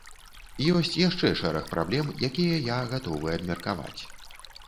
Ёсць яшчэ шэраг праблем, якія я гатовы абмеркаваць.